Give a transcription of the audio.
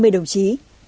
hai mươi đồng chí